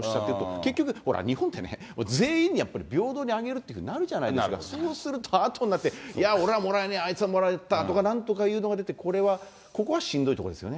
結局、日本ってね、全員に平等にあげるってなるじゃないですか、そうすると、あとになって、いや俺はもらえない、あいつはもらえたとか、これはここはしんどいとこですよね。